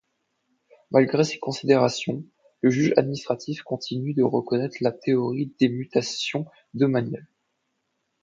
Malgré ces considérations, le juge administratif continue à reconnaître la théorie des mutations domaniales.